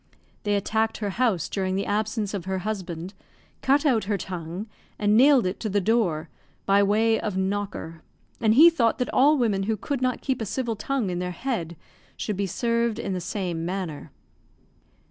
They attacked her house during the absence of her husband, cut out her tongue, and nailed it to the door, by way of knocker; and he thought that all women who could not keep a civil tongue in their head should be served in the same manner.